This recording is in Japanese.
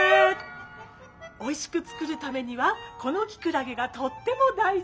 おいしく作るためにはこのキクラゲがとっても大事。